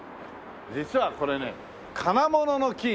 実はこれね金物の「金」。